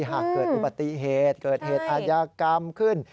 หากเกิดอุบัติเหตุเกิดเหตุอาทยากรรมขึ้น